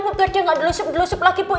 bukannya dia nggak delesep delesep lagi bu